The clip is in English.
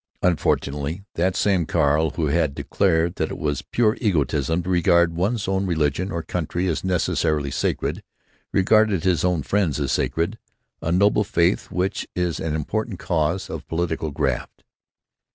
Unfortunately that same Carl who had declared that it was pure egotism to regard one's own religion or country as necessarily sacred, regarded his own friends as sacred—a noble faith which is an important cause of political graft.